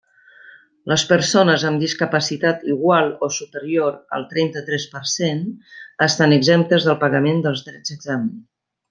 Les persones amb discapacitat igual o superior al trenta-tres per cent, estan exemptes del pagament dels drets d'examen.